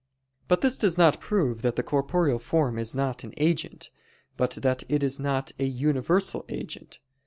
But this does not prove that the corporeal form is not an agent, but that it is not a universal agent.